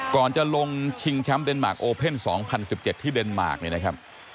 ก่อนจะลงชิงแชมป์เดนมาร์คโอเพ่น๒๐๑๗ที่เดนมาร์คเนี่ยนะครับ